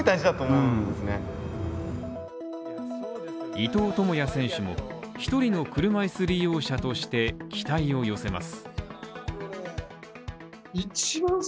伊藤智也選手も１人の車いす利用者として期待を寄せます。